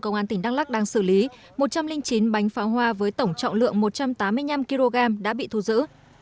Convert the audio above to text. công an tỉnh đắk lắc đang xử lý một trăm linh chín bánh pháo hoa với tổng trọng lượng một trăm tám mươi năm kg đã bị thu giữ